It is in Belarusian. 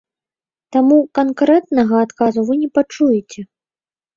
Таму канкрэтнага адказу вы не пачуеце.